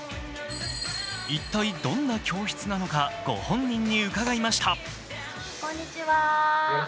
一体、どんな教室なのか、ご本人に伺いました。